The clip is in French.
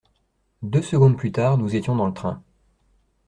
Deux secondes plus tard, nous étions dans le train.